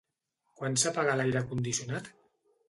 Quan s'apaga l'aire condicionat?